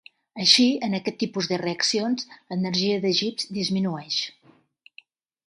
Així, en aquest tipus de reaccions, l'Energia de Gibbs disminueix.